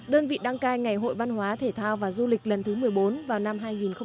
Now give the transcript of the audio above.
đơn vị đăng cai ngày hội văn hóa thể thao và du lịch lần thứ một mươi bốn vào năm hai nghìn hai mươi